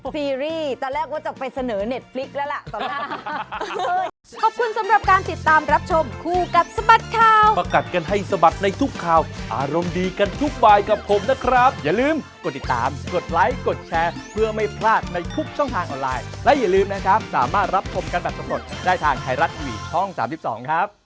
ซีรีส์ตอนแรกว่าจะไปเสนอเน็ตพลิกแล้วล่ะต่อหน้า